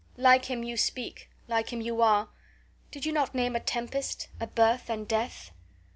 Like him you speak, like him you are. Did you not name a tempest, a birth, and death?"